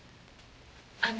あの。